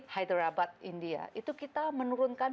hydrabat india itu kita menurunkan